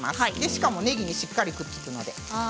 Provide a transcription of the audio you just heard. しかも、ねぎにしっかりくっつくので。